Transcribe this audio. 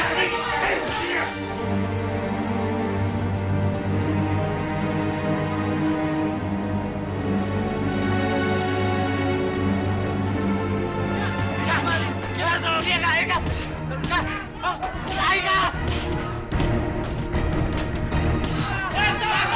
sampai menangis yang pastinya lagi